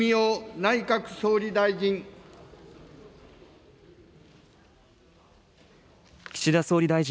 内閣総理大臣。